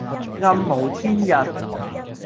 暗無天日